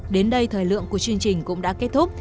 đến đây thời lượng của chương trình cũng đã kết thúc